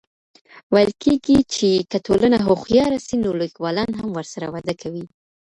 ويل کېږي چي که ټولنه هوښياره سي نو ليکوالان هم ورسره وده کوي.